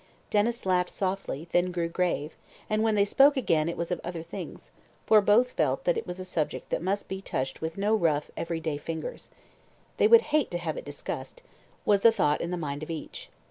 Denys laughed softly, then grew grave, and when they spoke again it was of other things, for both felt that it was a subject that must be touched with no rough, everyday fingers. "They would hate to have it discussed," was the thought in the mind of each.